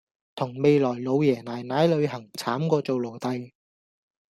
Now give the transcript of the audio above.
同未來老爺奶奶旅行慘過做奴隸